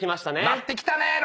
なってきたねぇ！